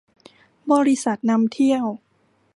บริษัทนำเที่ยว